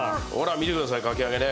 見てくださいかき揚げね。